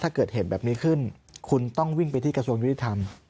ถ้าเกิดเหตุแบบนี้ขึ้นคุณต้องวิ่งไปที่กระทรวงยุติธรรม